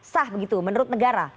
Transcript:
sah begitu menurut negara